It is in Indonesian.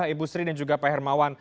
ibu sri dan juga pak hermawan